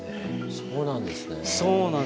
そうなんですよ。